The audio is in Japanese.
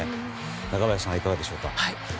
中林さん、いかがでしょうか？